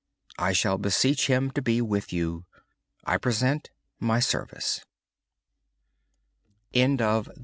I shall beseech Him to be with you. I present my service.